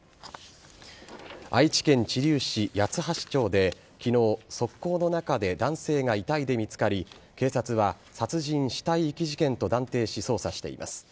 愛知県知立市八橋町で昨日側溝の中で男性が遺体で見つかり警察は殺人・死体遺棄事件と断定し捜査しています。